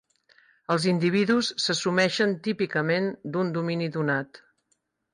Els individus s'assumeixen típicament d'un domini donat.